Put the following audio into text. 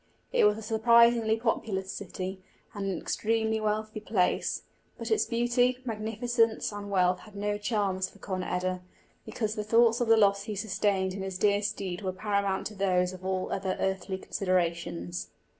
It was a surprisingly populous city, and an extremely wealthy place; but its beauty, magnificence, and wealth had no charms for Conn eda, because the thoughts of the loss he sustained in his dear steed were paramount to those of all other earthly considerations.